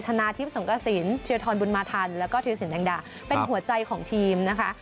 ชนะทีมสงกระศิลป์เทียทรบุญมาธรรมและเทียทรสินแดงดาเป็นหัวใจของทีมนะคะ